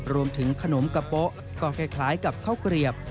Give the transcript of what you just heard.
รวมถึงขนมกระโป๊ะก็คล้ายกับข้าวเกลียบ